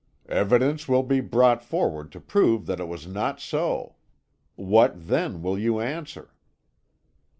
"Evidence will be brought forward to prove that it was not so. What, then, will you answer?"